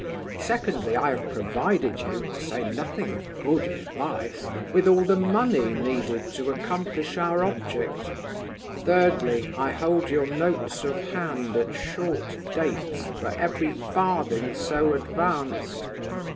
Secondly, I have provided you (to say nothing of good advice) with all the money needed to accomplish our object. Thirdly, I hold your notes of hand, at short dates, for every farthing so advanced.